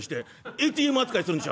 ＡＴＭ扱いするんでしょ？」。